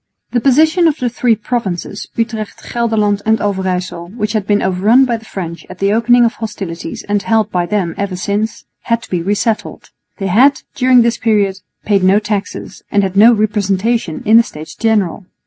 The position of the three provinces, Utrecht, Gelderland and Overyssel, which had been overrun by the French at the opening of hostilities and held by them ever since, had to be re settled. They had, during this period, paid no taxes, and had no representation in the States General.